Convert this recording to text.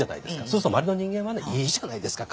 そうすると周りの人間はね「いいじゃないですか。